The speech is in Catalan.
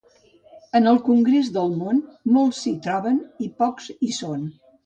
En el congrés del món, molts s'hi troben i pocs hi són.